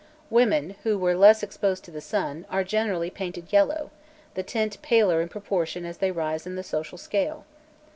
Women, who were less exposed to the sun, are generally painted yellow, the tint paler in proportion as they rise in the social scale.